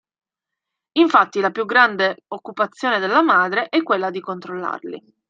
Infatti, la più grande occupazione della madre è quella di controllarli.